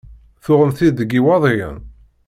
Tuɣem-t-id deg Iwaḍiyen?